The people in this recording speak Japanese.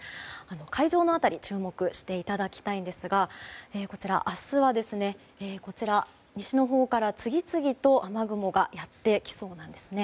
海上の辺りに注目していただきたいんですがこちら、明日は西のほうから次々と雨雲がやってきそうです。